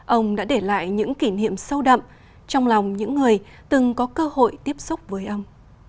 ông đã để lại những kỷ niệm sâu đậm trong lòng những người từng có cơ hội tiếp xúc với ông